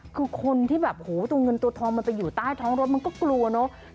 คือคนที่แบบโอ้โหตัวเงินตัวทองมันไปอยู่ใต้ท้องรถมันก็กลัวเนอะ